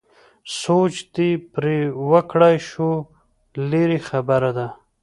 سوچ دې پرې وکړای شو لرې خبره ده.